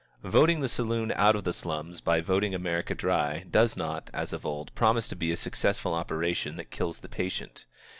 Voting the saloon out of the slums by voting America dry, does not, as of old, promise to be a successful operation that kills the patient.